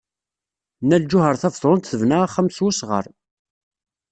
Nna Lǧuheṛ Tabetṛunt tebna axxam s wesɣar.